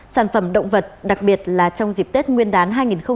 sản phẩm động vật đặc biệt là trong dịp tết nguyên đán hai nghìn một mươi chín